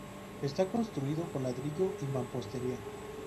Está construido con ladrillo y mampostería.